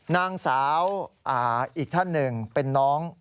นางสาวอีกท่านหนึ่งเป็นน้อง